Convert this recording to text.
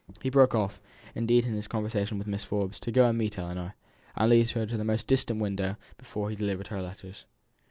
He broke off, indeed, in his conversation with Mrs. Forbes to go and meet Ellinor, and to lead her into the most distant window before he delivered her letters.